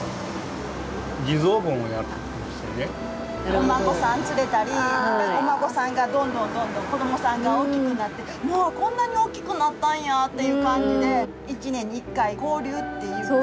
お孫さん連れたりお孫さんがどんどんどんどん子供さんが大きくなってもうこんなに大きくなったんやっていう感じで一年に一回交流っていうか。